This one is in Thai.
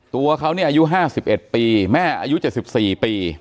ตัวเขาเนี่ยอายุ๕๑ปีแม่อายุ๗๔ปี